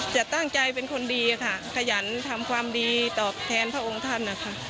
จะตั้งใจเป็นคนดีค่ะขยันทำความดีตอบแทนพระองค์ท่านนะคะ